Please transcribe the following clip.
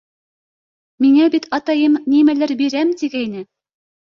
Миңә бит атайым нимәлер бирәм тигәйне!